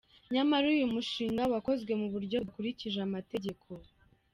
Nyamara uyu mushinga wakozwe mu buryo budakurikije amategeko.